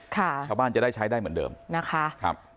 ชาวบ้านจะได้ใช้ได้เหมือนเดิมนะคะครับ